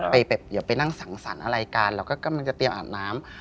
อย่าไปนั่งสังสรรค์อะไรกันเราก็กำลังจะเตรียมอาบน้ำ